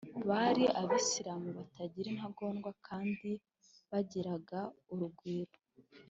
Bari abayisilamu batari intagondwa kandi bagiraga urugwiro